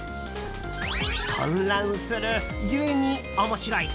混乱するゆえに面白い。